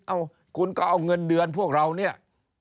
เอ้าคุณก็เอาเงินเดือนพวกเราเนี่ย